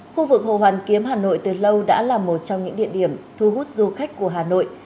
khu vực hồ hoàn kiếm hà nội từ lâu đã là một trong những địa điểm thu hút du khách của hà nội